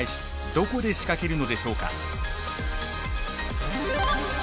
どこで仕掛けるのでしょうか？